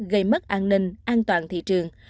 gây mất an ninh an toàn thị trường